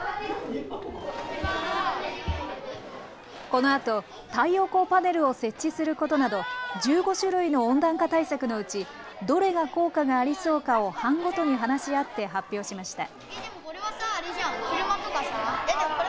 このあと太陽光パネルを設置することなど１５種類の温暖化対策のうち、どれが効果がありそうかを班ごとに話し合って発表しました。